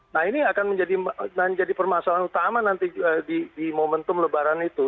nah ini akan menjadi permasalahan utama nanti di momentum lebaran itu